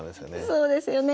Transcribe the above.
そうですよね。